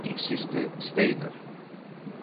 Insiste Steiner.